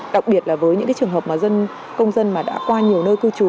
đặc biệt là với những trường hợp mà dân công dân mà đã qua nhiều nơi cư trú